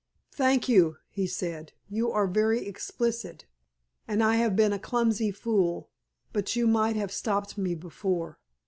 "Thank you," he said; "you are very explicit, and I have been a clumsy fool. But you might have stopped me before.